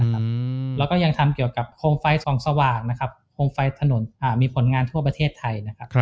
แล้วก็ยังทำเกี่ยวกับโครงไฟทรองสวากโครงไฟถนนมีผลงานทั่วประเทศไทย